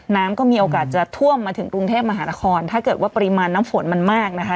น้ำก็มีโอกาสจะท่วมมาถึงกรุงเทพมหานครถ้าเกิดว่าปริมาณน้ำฝนมันมากนะคะ